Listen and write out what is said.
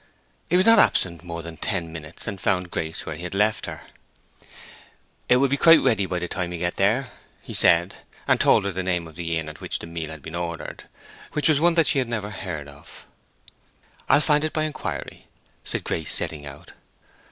He was not absent more than ten minutes, and found Grace where he had left her. "It will be quite ready by the time you get there," he said, and told her the name of the inn at which the meal had been ordered, which was one that she had never heard of. "I'll find it by inquiry," said Grace, setting out.